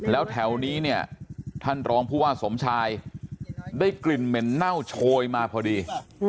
แล้วแถวนี้เนี่ยท่านรองผู้ว่าสมชายได้กลิ่นเหม็นเน่าโชยมาพอดี